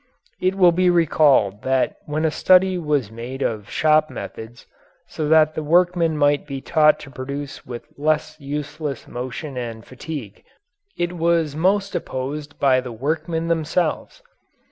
It will be recalled that when a study was made of shop methods, so that the workmen might be taught to produce with less useless motion and fatigue, it was most opposed by the workmen themselves.